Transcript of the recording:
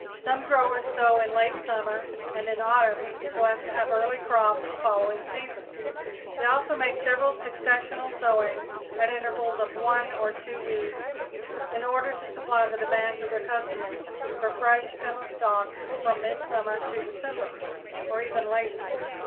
Some growers sow in late summer and in autumn so as to have early crops the following season; they also make several successional sowings at intervals of one or two weeks, in order to supply the demands of their customers for fresh fennel stalks from midsummer to December or even later.